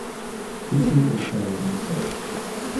Teaching is done in French.